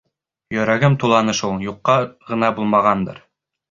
Йөрәгем туланы шул, юҡҡа ғына булмағандыр.